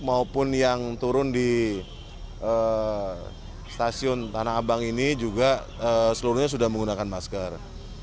maupun yang turun di stasiun tanah abang ini juga seluruhnya sudah menggunakan masker